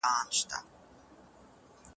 رجعي طلاق خاوند او ميرمن څه ته متوجه کوي؟